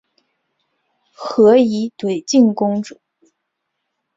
和硕悫靖公主。